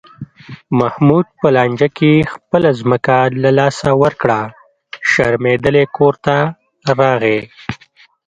محمود په لانجه کې خپله ځمکه له لاسه ورکړه، شرمېدلی کورته راغی.